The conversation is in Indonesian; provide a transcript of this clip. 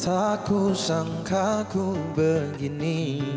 aku sangka ku begini